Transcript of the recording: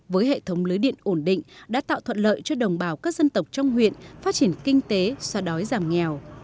với hệ thống lưới điện ổn định đã tạo thuận lợi cho đồng bào các dân tộc trong huyện phát triển kinh tế xoa đói giảm nghèo